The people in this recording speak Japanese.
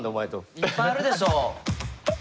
いっぱいあるでしょう。